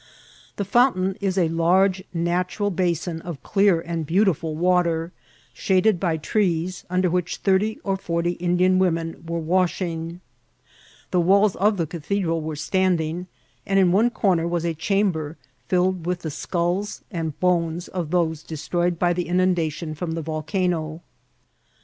The fountain is a large natural basin of clear and beautiful water, shaded by trees, under which thirty or forty Indian women were waiAiingr The walls of the cathedral were stanjiing^ and in one corner was a chamber filled with the sculls and bones of those destroyed by the inundation from the Tcdcano.